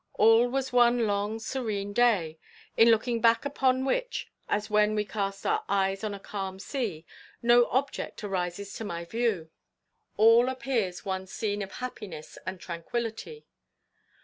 All was one long serene day, in looking back upon which, as when we cast our eyes on a calm sea, no object arises to my view. All appears one scene of happiness and tranquillity.